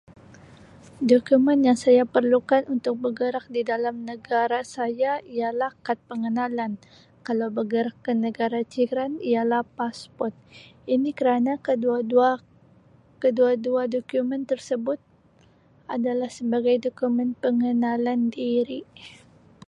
Dokumen yang saya perlukan untuk bergerak di dalam negara saya ialah kad pengenalan. Kalau bergerak ke negara jiran ialah pasport, ini kerana kedua-dua-kedua-dua dokumen tersebut adalah sebagai dokumen pengenalan diri.